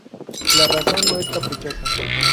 La razón no es caprichosa.